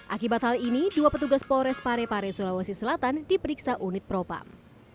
akibat hal ini dua petugas polres parepare sulawesi selatan diperiksa unit propam